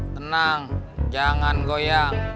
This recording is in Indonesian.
tenang jangan goyang